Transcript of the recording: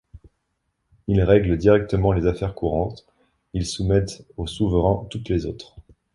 Ils règlent directement les affaires courantes, ils soumettent au souverain toutes les autres.